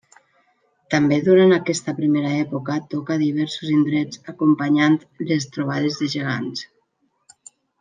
També durant aquesta primera època toca a diversos indrets acompanyant les trobades de gegants.